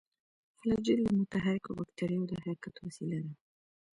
فلاجیل د متحرکو باکتریاوو د حرکت وسیله ده.